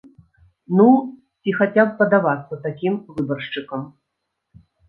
Ну, ці хаця б падавацца такім выбаршчыкам.